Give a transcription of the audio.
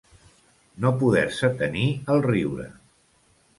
No poder-se tenir el riure.